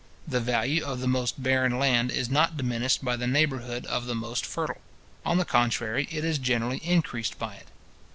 The value of the most barren land is not diminished by the neighbourhood of the most fertile. On the contrary, it is generally increased by it.